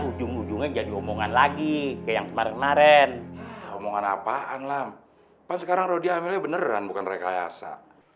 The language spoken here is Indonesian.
ujung ujungnya jadi omongan lagi kayak kemarin omongan apaan lam sekarang beneran bukan rekayasa